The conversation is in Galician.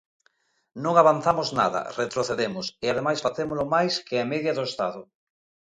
Non avanzamos nada, retrocedemos, e ademais facémolo máis que a media do Estado.